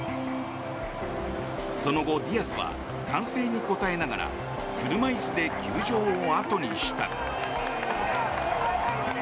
その後、ディアスは歓声に応えながら車椅子で球場をあとにした。